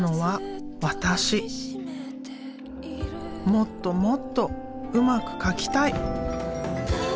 もっともっとうまく描きたい！